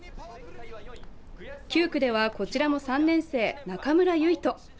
９区では、こちらも３年生、中村唯翔。